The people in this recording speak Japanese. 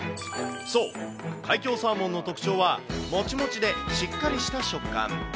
そう、海峡サーモンの特徴は、もちもちでしっかりした食感。